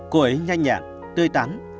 cô ấy nhanh nhẹn tươi tắn